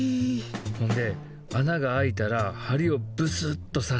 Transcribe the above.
ほんで穴が開いたら針をブスっとさして。